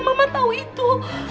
mama tau itu